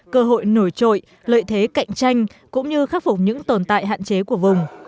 cơ hội nổi trội lợi thế cạnh tranh cũng như khắc phục những tồn tại hạn chế của vùng